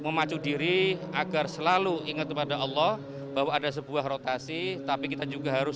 memacu diri agar selalu ingat kepada allah bahwa ada sebuah rotasi tapi kita juga harus